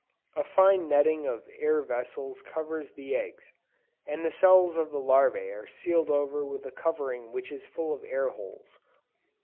A fine netting of air vessels covers the eggs; and the cells of the larvæ are sealed over with a covering which is full of air holes.